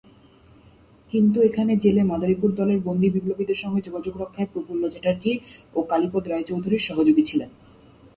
কিন্তু এখানে জেলে মাদারীপুর দলের বন্দী বিপ্লবীদের সঙ্গে যোগাযোগ রক্ষায় প্রফুল্ল চ্যাটার্জি ও কালীপদ রায়চৌধুরীর সহযোগী ছিলেন।